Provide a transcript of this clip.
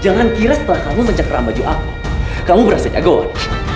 jangan kira setelah kamu mencekram baju aku kamu berasa jagoan